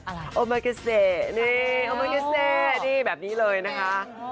อัลมาเกษตร์นี่แบบนี้เลยนะคะ